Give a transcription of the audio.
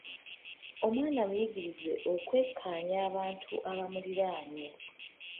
Omwana muyigirize okwekkaanya abantu abamuliraanye.